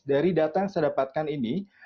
dari data yang saya dapatkan ini